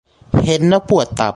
เห็น แล้วปวดตับ